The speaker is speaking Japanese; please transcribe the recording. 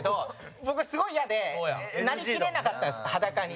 僕は、すごいイヤでなりきれなかったんです、裸に。